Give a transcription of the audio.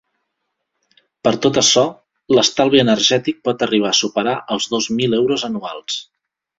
Per tot açò, l’estalvi energètic pot arribar a superar els dos mil euros anuals.